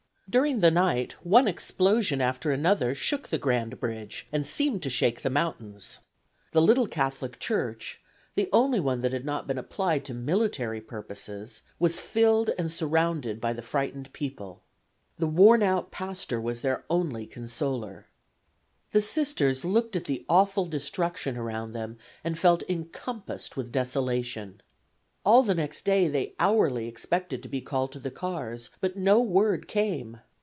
During the night one explosion after another shook the grand bridge and seemed to shake the mountains. The little Catholic church, the only one that had not been applied to military purposes, was filled and surrounded by the frightened people. The worn out pastor was their only consoler. The Sisters looked at the awful destruction around them, and felt encompassed with desolation. All the next day they hourly expected to be called to the cars, but no word came.